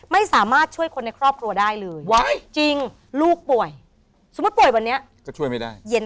ไม่สามารถช่วยคนในครอบครัวได้เลย